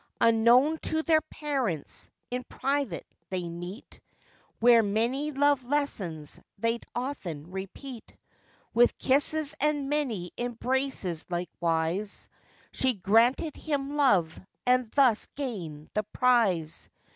Unknown to their parents in private they meet, Where many love lessons they'd often repeat, With kisses, and many embraces likewise, She granted him love, and thus gainèd the prize.